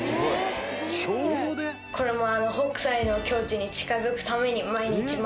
これも。